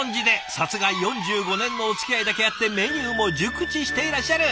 さすが４５年のおつきあいだけあってメニューも熟知していらっしゃる。